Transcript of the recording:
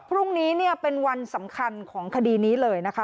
พรุ่งนี้เนี่ยเป็นวันสำคัญของคดีนี้เลยนะคะ